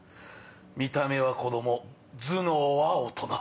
見た目は子供頭脳は大人。